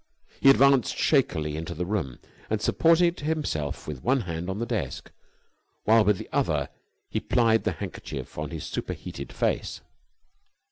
He advanced shakily into the room, and supported himself with one hand on the desk, while with the other he plied the handkerchief on his super heated face.